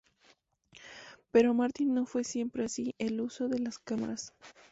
Pero Martin no fue siempre así el uso de las cámaras.